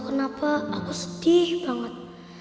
kenapa aku sedih banget